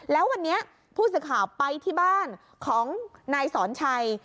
แล้ววันนี้ผู้สื่อข่าวไปที่บ้านของนายสอนชัย